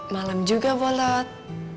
malam juga bolot